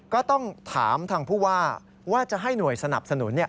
ก็ต้องถามทางผู้ว่าว่าจะให้หน่วยสนับสนุน